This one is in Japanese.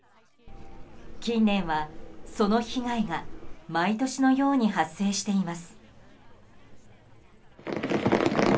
近年は、その被害が毎年のように発生しています。